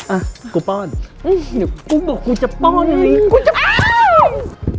อ่ะกูป้อนเดี๋ยวกูบอกกูจะป้อนจริงกูจะอ้าง